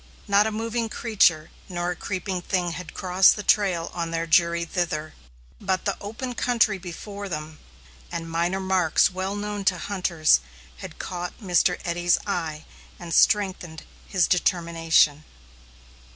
Not a moving creature nor a creeping thing had crossed the trail on their journey thither; but the open country before them, and minor marks well known to hunters, had caught Mr. Eddy's eye and strengthened his determination.